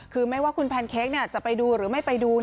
คือไม่ว่าคุณแพนเค้กจะไปดูหรือไม่ไปดู